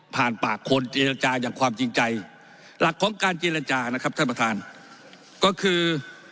ปากคนเจรจาอย่างความจริงใจหลักของการเจรจานะครับท่านประธานก็คือ